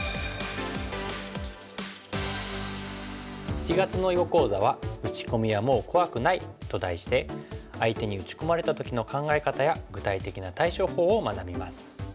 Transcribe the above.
７月の囲碁講座は「打ち込みはもう怖くない」と題して相手に打ち込まれた時の考え方や具体的な対処法を学びます。